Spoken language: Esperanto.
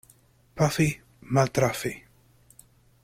Pafi — maltrafi.